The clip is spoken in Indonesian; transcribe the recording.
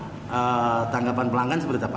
setelah buka tanggapan pelanggan seperti apa